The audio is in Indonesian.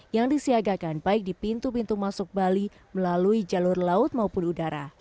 yang disiagakan baik di pintu pintu masuk bali melalui jalur laut maupun udara